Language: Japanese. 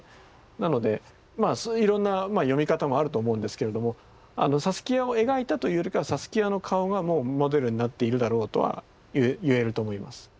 なのでいろんな読み方もあると思うんですけれどもサスキアを描いたというよりかはサスキアの顔がモデルになっているだろうとは言えると思います。